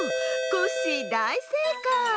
コッシーだいせいかい！